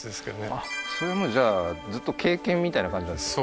あっそれもじゃあずっと経験みたいな感じなんですね